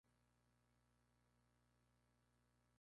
Tiene además muchos efectos especiales.